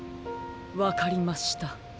わかりました。